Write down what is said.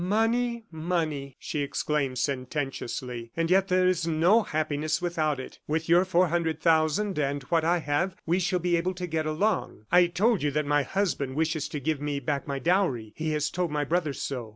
"Money, money!" she exclaimed sententiously. "And yet there is no happiness without it! With your four hundred thousand and what I have, we shall be able to get along. ... I told you that my husband wishes to give me back my dowry. He has told my brother so.